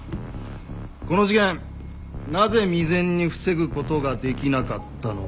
この事件なぜ未然に防ぐことができなかったのか。